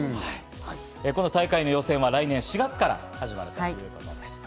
この大会の予選は来年４月から始まるということです。